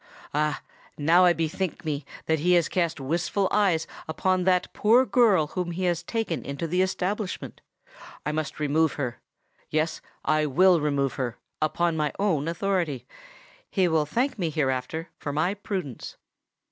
Ah! now I bethink me that he has cast wistful eyes upon that poor girl whom he has taken into the establishment. I must remove her: yes—I will remove her, upon my own authority. He will thank me hereafter for my prudence."